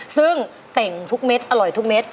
ซึ่งแต่งทุกเม็ดอร่อยทุกเม็ด